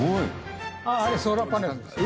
あれソーラーパネルです。